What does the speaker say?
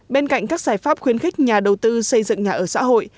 bên cạnh các giải pháp khuyến khích nhà đầu tư xây dựng nhà ở xã hội